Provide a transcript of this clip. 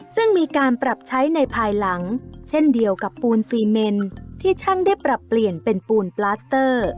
ซึ่งมีการปรับใช้ในภายหลังเช่นเดียวกับปูนซีเมนที่ช่างได้ปรับเปลี่ยนเป็นปูนปลาสเตอร์